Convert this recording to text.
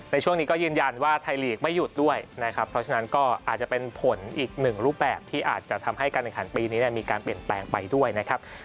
ในช่วงนี้ก็ยืนยันว่าไทยลีกไม่หยุดด้วยนะครับเพราะฉะนั้นก็อาจจะเป็นผลอีกหนึ่งรูปแบบที่อาจจะทำให้การแข่งขันปีนี้มีการเปลี่ยนแปลงไปด้วยนะครับ